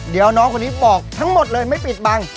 เดี๋ยวน้องคนนี้บอกทั้งหมดเลยไม่ปิดบัง